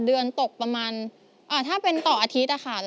หนูสูงค่ะหนูชอบคนสูง